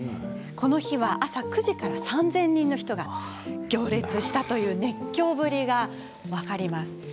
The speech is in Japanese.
この日は朝９時から３０００人の人が行列をしたという熱狂ぶりが分かります。